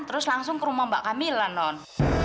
terus langsung ke rumah mbak kamila non